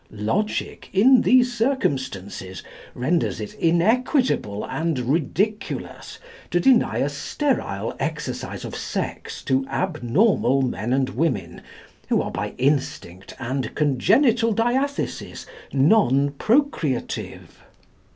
Logic, in these circumstances, renders it equitable and ridiculous to deny a sterile exercise of sex to abnormal men and women, who are by instinct and congenital diathesis non procreative.